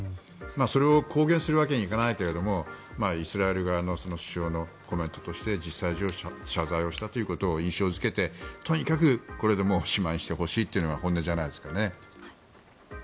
それを公言するわけにはいかないけどイスラエル側の首相のコメントとして実際、謝罪したということを印象付けてとにかくこれでしまいにしてほしいというのが本音じゃないですかね。